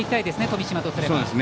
富島とすれば。